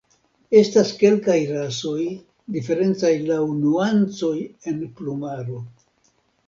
Estas kelkaj rasoj diferencaj laŭ nuancoj en plumaro.